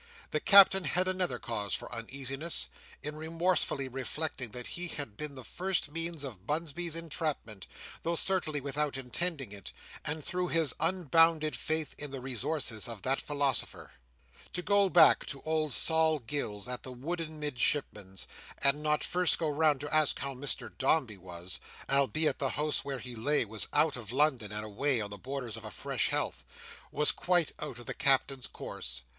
The Captain had another cause for uneasiness, in remorsefully reflecting that he had been the first means of Bunsby's entrapment, though certainly without intending it, and through his unbounded faith in the resources of that philosopher. To go back to old Sol Gills at the wooden Midshipman's, and not first go round to ask how Mr Dombey was—albeit the house where he lay was out of London, and away on the borders of a fresh heath—was quite out of the Captain's course.